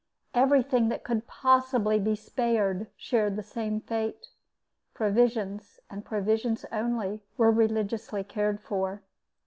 Everything that could possibly be spared shared the same fate. Provisions, and provisions only, were religiously cared for.